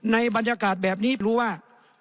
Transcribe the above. ในบรรยากาศแบบนี้เพราะว่า